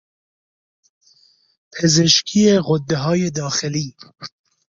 پزشکی غده های داخلی